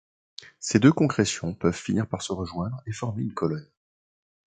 Ces deux concrétions peuvent finir par se rejoindre et former une colonne.